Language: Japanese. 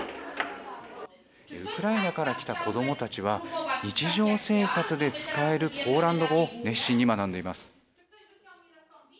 ウクライナから来た子どもたちは日常生活で使えるポーランド語を熱心に学んでいます。